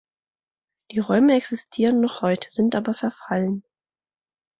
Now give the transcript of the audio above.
Die Räume existieren noch heute, sind aber verfallen.